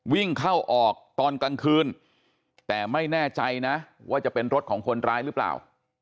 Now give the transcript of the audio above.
วิ่งเข้าออกตอนกลางคืนแต่ไม่แน่ใจนะว่าจะเป็นรถของคนร้ายหรือเปล่า